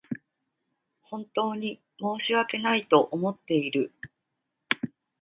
本当に申し訳ないと思っている